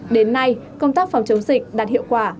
đến nay công tác phòng chống dịch đạt hiệu quả